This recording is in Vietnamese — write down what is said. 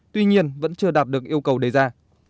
tuy nhiên vẫn chưa đạt được yêu cầu đề ra